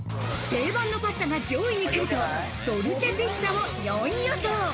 定番のパスタが上位に来ると、ドルチェ・ピッツァを４位予想。